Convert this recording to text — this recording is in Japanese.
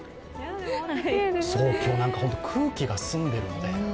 今日、空気が澄んでいるので。